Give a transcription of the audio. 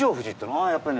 あぁ、やっぱりね。